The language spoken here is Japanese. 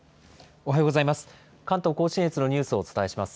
おはようございます。